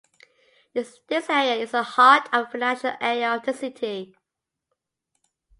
This area is the heart of the financial area of the city.